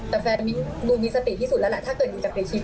แต่แฟนมิ้งดูมีสติที่สุดแล้วแหละถ้าเกิดมิ้นจะไปชิง